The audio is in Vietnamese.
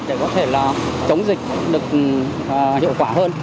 để có thể là chống dịch được hiệu quả hơn